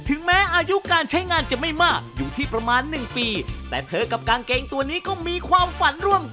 เอาไปให้แม่ปลดหนี้ค่ะ